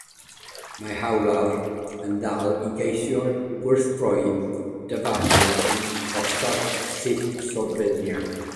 Mae hawlwyr yn dal i geisio gwrthdroi'r dyfarniad yng Ngoruchaf Lys Slofenia.